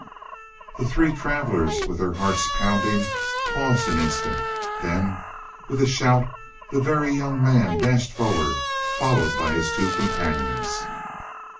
The three travelers, with their hearts pounding, paused an instant. Then with a shout the Very Young Man dashed forward, followed by his two companions.